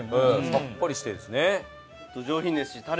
さっぱりしてるんですね。